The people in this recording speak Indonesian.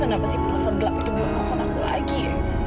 kenapa si pelopon gelap itu belum nelfon aku lagi